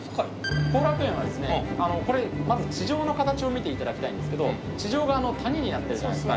後楽園はですねこれまず地上の形を見て頂きたいんですけど地上が谷になってるじゃないですか。